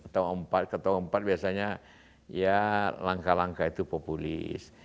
tahun keempat ketahun keempat biasanya ya langkah langkah itu populis